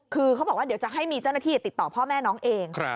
คือเขาบอกว่าเดี๋ยวจะให้มีเจ้าหน้าที่ติดต่อพ่อแม่น้องเอง